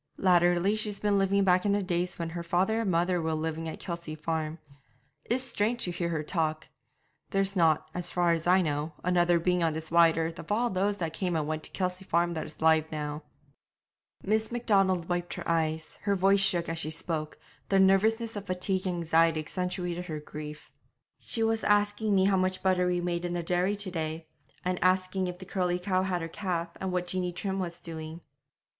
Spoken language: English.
Latterly she's been living back in the days when her father and mother were living at Kelsey Farm. It's strange to hear her talk. There's not, as far as I know, another being on this wide earth of all those that came and went to Kelsey Farm that is alive now.' Miss Macdonald wiped her eyes; her voice shook as she spoke; the nervousness of fatigue and anxiety accentuated her grief. 'She was asking me how much butter we made in the dairy to day, and asking if the curly cow had her calf, and what Jeanie Trim was doing.'